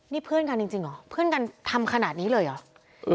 นี่เพื่อนกันจริงเหรอเพื่อนกันทำขนาดนี้เลยเหรอ